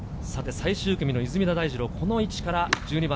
最終組の出水田大二郎、この位置から１２番。